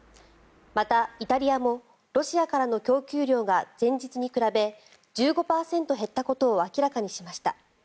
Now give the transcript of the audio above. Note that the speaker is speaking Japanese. また、イタリアもロシアからの供給量が前日に比べ１５％減ったことを明らかにしました。